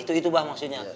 itu itu bah maksudnya